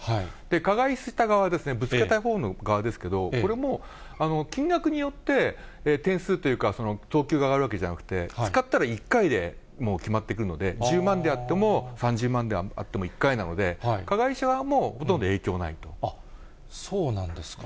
加害した側ですね、ぶつけたほうの川ですけど、これも、金額によって点数というか、等級が上がるわけじゃなくて、使ったら１回でもう決まってくるので、１０万であっても３０万であっても１回なので、そうなんですか。